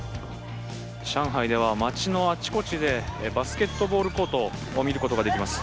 上海では街のあちこちでバスケットボールコートを見ることができます。